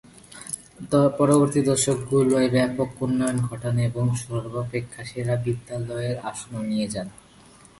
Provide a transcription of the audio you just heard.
পরবর্তী দশকগুলোয় বিদ্যালয়টির ব্যাপক উন্নয়ন ঘটান ও সর্বাপেক্ষা সেরা বিদ্যালয়ের আসনে নিয়ে যান।